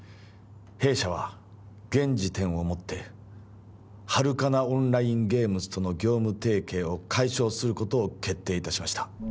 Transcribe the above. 弊社は現時点をもってハルカナ・オンライン・ゲームズとの業務提携を解消することを決定いたしました